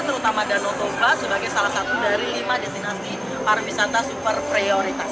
terutama danau toba sebagai salah satu dari lima destinasi pariwisata super prioritas